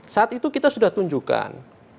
saat itu kita sudah tunjukkan